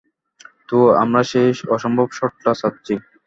তো, আমরা সেই অসম্ভব শটটা চাচ্ছি।